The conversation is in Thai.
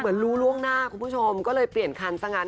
รู้ล่วงหน้าคุณผู้ชมก็เลยเปลี่ยนคันซะงั้น